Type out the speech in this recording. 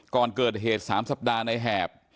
ก่อนเกิดเหตุ๓สัปดาห์ในแหบ